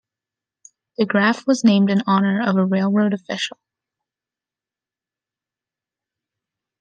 De Graff was named in honor of a railroad official.